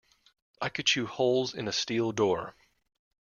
I could chew holes in a steel door.